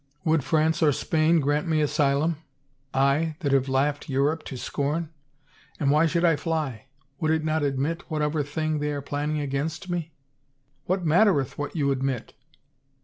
"Would France or Spain grant me asylum — I, that have laughed Europe to scorn? And why should I fly? Would it not admit whatever thing they are planning against me ?"What mattereth what you admit!